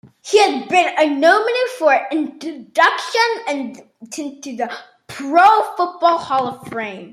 He has been a nominee for induction into the Pro Football Hall of Fame.